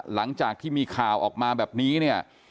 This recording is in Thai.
หลังจากที่มีข่าวออกมาแบบนี้เนี่ย